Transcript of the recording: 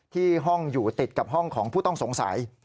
ที่ห้องอยู่ติดกับห้องของผู้ต้องสงสัย